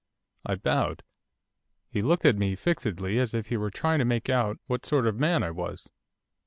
I bowed. He looked at me, fixedly, as if he were trying to make out what sort of man I was.